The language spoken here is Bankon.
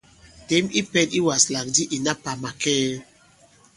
Těm i pɛ̄n i wàslàk di ìna pà màkɛɛ!